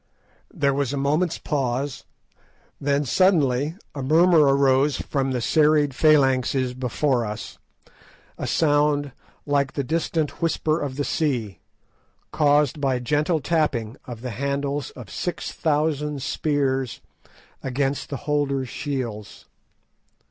There was a moment's pause, then suddenly a murmur arose from the serried phalanxes before us, a sound like the distant whisper of the sea, caused by the gentle tapping of the handles of six thousand spears against their holders' shields.